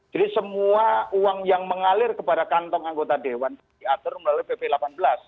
jadi semua uang yang mengalir kepada kantong anggota dewan diatur melalui pp delapan belas